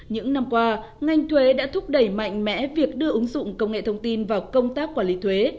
những năm qua ngành thuế đã thúc đẩy mạnh mẽ việc đưa ứng dụng công nghệ thông tin vào công tác quản lý thuế